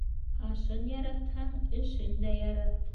Ашын яратһаң, эшен дә ярат.